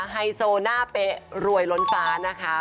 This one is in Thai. ไฮโซหน้าเป๊ะรวยล้นฟ้านะคะ